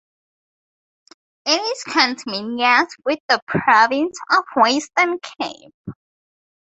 It is conterminous with the province of Western Cape.